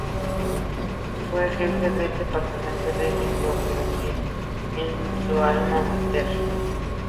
Fue jefe del Departamento de Microbiología en su alma máter.